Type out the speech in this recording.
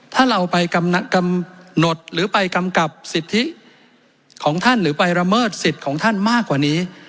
ถ้าเราไปกำหนดหรือไปกำกับสิทธิของท่านหรือไประเมิดสิทธิ์ของท่านมากกว่านี้